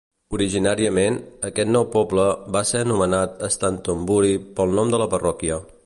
Originalment, aquest nou poble va ser anomenat Stantonbury pel nom de la parròquia.